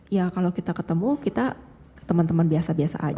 ya kalau kita ketemu kita ke teman teman biasa biasa aja